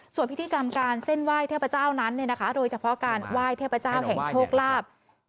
ส่วนพิธีกรรมการเส้นไหว้เทพเจ้านั้นโดยเฉพาะการไหว้เทพเจ้าแห่งโชคลาภ